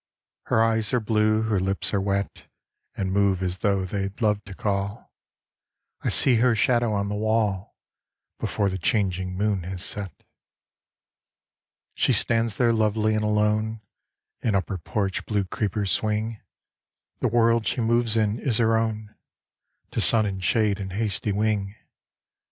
Her eyes are blue, her lips are wet, And move as tho' they'd love to call. I see her shadow on the wall Before the changing moon has set. She stands there lovely and alone And up her porch blue creepers swing. The world she moves in is her own, To sun and shade and hasty wing.